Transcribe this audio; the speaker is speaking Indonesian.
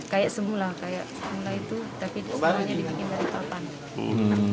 kayak semula kayak semula itu tapi disuruhnya dibagi bagi papan